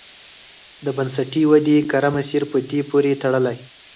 د بنسټي ودې کره مسیر په دې پورې تړلی.